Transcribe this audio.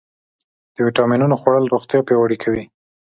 د ویټامینونو خوړل روغتیا پیاوړې کوي.